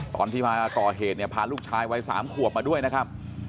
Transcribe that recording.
ตอนที่มาก่อเหตุเนี่ยพาลูกชายวัย๓ขวบมาด้วยนะครับ